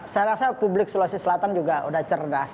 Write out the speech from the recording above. saya rasa publik sulawesi selatan juga sudah cerdas